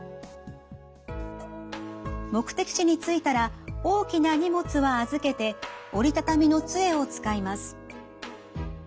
目的地に着いたら大きな荷物は預けて折りたたみの杖を使います。